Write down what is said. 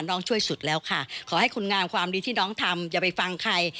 ช่วยสุดแล้วค่ะขอให้คุณงามความดีที่น้องทำอย่าไปฟังใคร